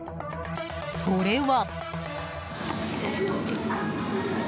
それは。